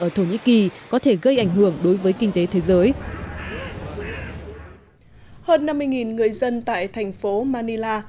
ở thổ nhĩ kỳ có thể gây ảnh hưởng đối với kinh tế thế giới hơn năm mươi người dân tại thành phố manila